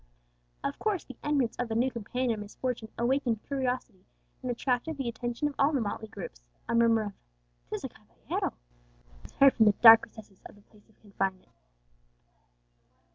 Of course the entrance of a new companion in misfortune awakened curiosity, and attracted the attention of all the motley groups. A murmur of "'Tis a caballero!" was heard from the dark recesses of the place of confinement.